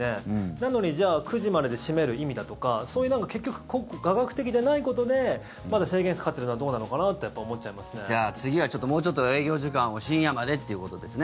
なのに、じゃあ９時までで閉める意味だとかそういう結局科学的でないことでまだ制限かかってるのはどうなのかなってじゃあ、次はもうちょっと営業時間を深夜までということですね。